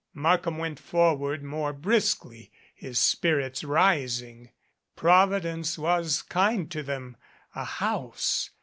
Markham went forward more briskly, his spirits rising. Providence was kind to them. A house